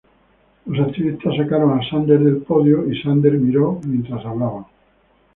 Los activistas sacaron a Sanders del podio y Sanders miró mientras hablaban.